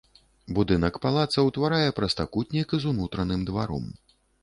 Будынак палаца ўтварае прастакутнік з унутраным дваром.